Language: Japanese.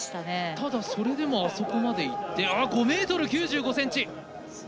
ただ、それでもあそこまでいって５ｍ９５ｃｍ！